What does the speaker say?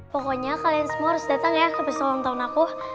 pokoknya kalian semua harus datang ya ke persoalan tahun aku